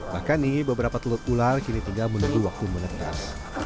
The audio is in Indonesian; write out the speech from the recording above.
bahkan nih beberapa telur ular kini tinggal menunggu waktu menetas